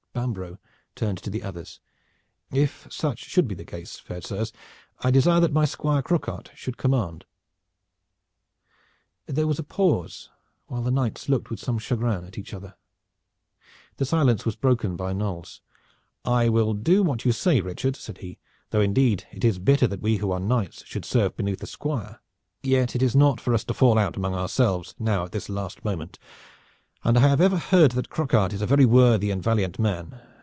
Bambro' turned to the others. "If such should be the case, fair sirs, I desire that my Squire Croquart should command." There was a pause while the knights looked with some chagrin at each other. The silence was broken by Knolles. "I will do what you say, Richard," said he, "though indeed it is bitter that we who are knights should serve beneath a squire. Yet it is not for us to fall out among ourselves now at this last moment, and I have ever heard that Croquart is a very worthy and valiant man.